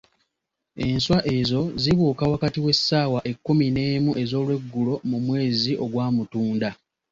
Enswa ezo zibuuka wakati w'essaawa ekkumi n'emu ez'olweggulo mu mwezi ogwa Mutunda.